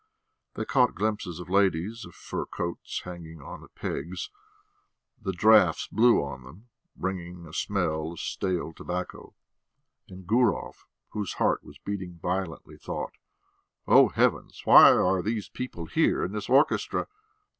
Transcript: They caught glimpses of ladies, of fur coats hanging on pegs; the draughts blew on them, bringing a smell of stale tobacco. And Gurov, whose heart was beating violently, thought: "Oh, heavens! Why are these people here and this orchestra!..."